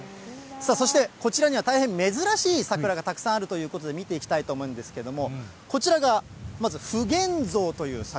さあ、そしてこちらには大変珍しい桜がたくさんあるということで、見ていきたいと思うんですけども、こちらがまず普賢象という桜。